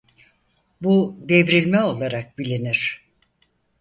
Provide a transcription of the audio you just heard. Bu devrilme olarak bilinir.